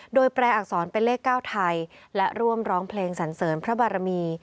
โดยแปลอักษรเป็นเลข๙ไทยและร่วมร้องเพลงสันเสริญพระบารมี